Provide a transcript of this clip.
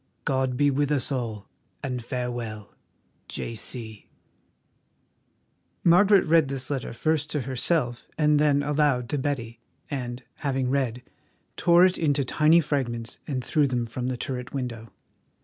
God be with us all, and farewell. "J.C." Margaret read this letter first to herself and then aloud to Betty, and, having read, tore it into tiny fragments and threw them from the turret window.